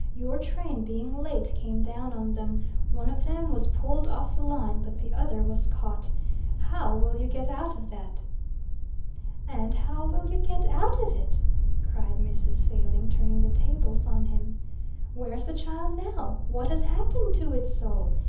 Your train, being late, came down on them. One of them was pulled off the line, but the other was caught. How will you get out of that?" "And how will you get out of it?" cried Mrs. Failing, turning the tables on him. "Where's the child now? What has happened to its soul?